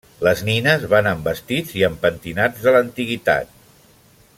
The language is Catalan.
Les nines van amb vestits i amb pentinats de l'antiguitat.